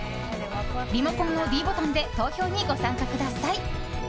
リモコンのｄボタンで投票にご参加ください。